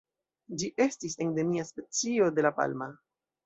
Ĝi estis endemia specio de La Palma.